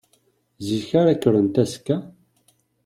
Zik ara kkrent azekka?